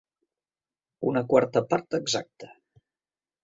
Una quarta part exacta.